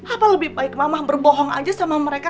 apa lebih baik mamah berbohong aja sama mereka